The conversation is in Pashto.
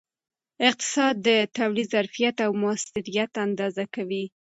اقتصاد د تولید ظرفیت او موثریت اندازه کوي.